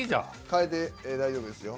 変えて大丈夫ですよ。